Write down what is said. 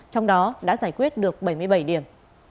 trong đó đã giải quyết được bảy mươi bảy điểm